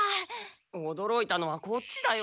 おどろいたのはこっちだよ。